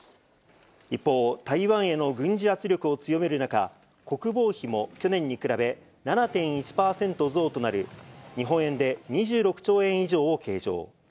一方、台湾への軍事圧力を強める中、国防費も去年に比べ、７．１％増となる日本円で２６兆円以上を計上。